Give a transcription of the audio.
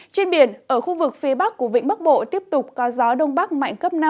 trên biển ở khu vực phía bắc của vĩnh bắc bộ tiếp tục có gió đông bắc mạnh cấp năm